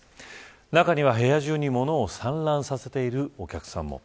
中には部屋中に物を散乱させているお客さんも。